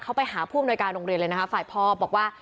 เขาไปหาผู้อำนวยการโรงเรียนเลยนะคะฝ่ายพ่อบอกว่า